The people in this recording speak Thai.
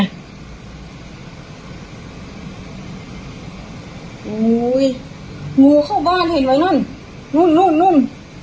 โอ้โหงูเข้าบ้านเห็นไว้นั่นนู่นนู่นนู่น